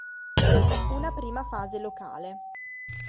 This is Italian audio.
Una prima fase locale.